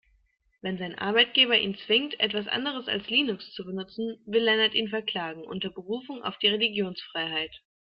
Wenn sein Arbeitgeber ihn zwingt, etwas anderes als Linux zu benutzen, will Lennart ihn verklagen, unter Berufung auf die Religionsfreiheit.